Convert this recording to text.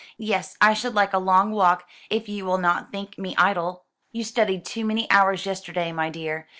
Yes, I should like a long walk, if you will not think me idle." "You studied too many hours yesterday, my dear.